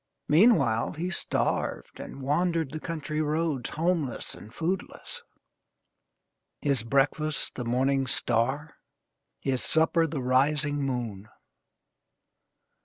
Meanwhile, he starved and wandered the country roads, homeless and foodless: his breakfast the morning star, his supper the rising moon.